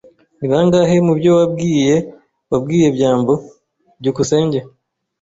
Ni bangahe mubyo wambwiye wabwiye byambo? byukusenge